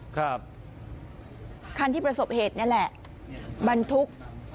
คันที่ประสบเหตุนี่แหละบรรทุก